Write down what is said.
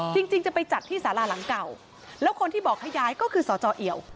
จริงจะไปจัดที่สาราหลังเก่าแล้วคนที่บอกให้ย้ายก็คือสจเอียว